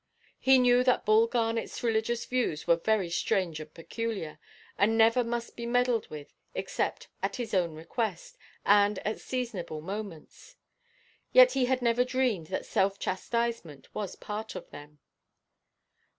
He knew that Bull Garnetʼs religious views were very strange and peculiar, and never must be meddled with, except at his own request, and at seasonable moments. Yet he had never dreamed that self–chastisement was part of them.